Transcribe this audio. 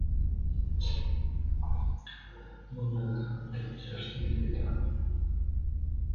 Мындан ары кантип жашашты билбей турам.